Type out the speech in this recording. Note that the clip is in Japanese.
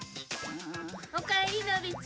おかえりのびちゃん。